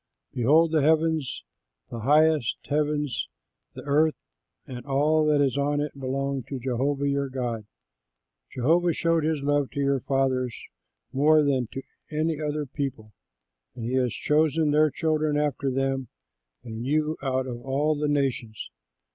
Behold, the heavens, the highest heavens, the earth and all that is on it belong to Jehovah your God. Jehovah showed his love to your fathers more than to any other people, and he has chosen their children after them and you out of all the nations.